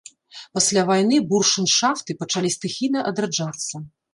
Пасля вайны буршэншафты пачалі стыхійна адраджацца.